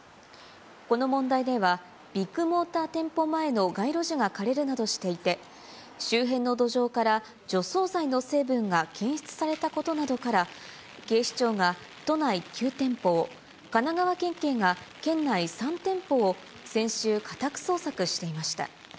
この問題では、ビッグモーター店舗前の街路樹が枯れるなどしていて、周辺の土壌から除草剤の成分が検出されたことなどから、警視庁が都内９店舗を、神奈川県警が県内３店舗を先週、家宅捜索していました。